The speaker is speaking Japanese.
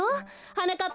はなかっ